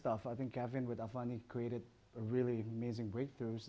saya pikir kevin dan avani membuat breakthrough yang sangat luar biasa